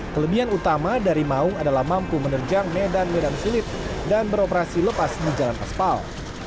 kelebihan utama dari maung adalah mampu menerjang medan medan sulit dan beroperasi lepas di jalan aspal